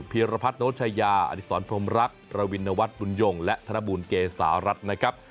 พิรพัฒนโชชายาอัศวรพรคแบลวินวัฆษ์บุญโยงและถณบูรเกสารัฐนะครับ